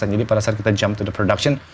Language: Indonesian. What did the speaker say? jadi pada saat kita jump to the production